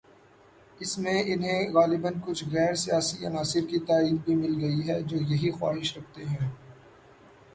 اس میں انہیں غالباکچھ غیر سیاسی عناصر کی تائید بھی مل گئی ہے" جو یہی خواہش رکھتے ہیں۔